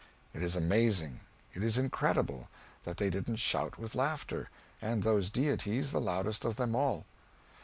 It is amazing, it is incredible, that they didn't shout with laughter, and those deities the loudest of them all.